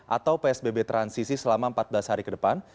atau psbb transisi selama empat belas hari ke depan